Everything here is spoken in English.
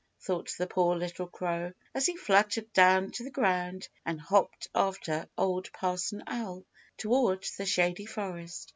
thought the poor little crow, as he fluttered down to the ground and hopped after Old Parson Owl toward the Shady Forest.